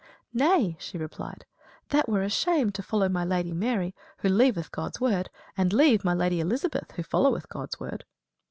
"Nay," she replied, "that were a shame, to follow my Lady Mary, who leaveth God's word, and leave my Lady Elizabeth who followeth God's word."